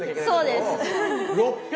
そうです。